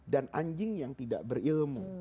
dan anjing yang tidak berilmu